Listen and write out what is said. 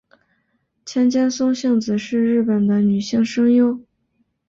千千松幸子是日本的女性声优。